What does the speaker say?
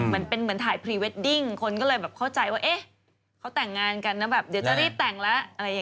มันเป็นเหมือนถ่ายพรีเวดดิ้งคนก็เลยเข้าใจว่าเอ๊ะเขาแต่งงานกันนะเดี๋ยวจะรีบแต่งแล้ว